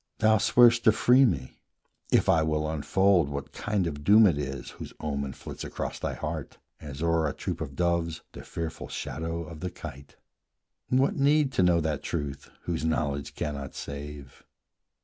Thou swear'st to free me, if I will unfold What kind of doom it is whose omen flits Across thy heart, as o'er a troop of doves The fearful shadow of the kite. What need To know that truth whose knowledge cannot save?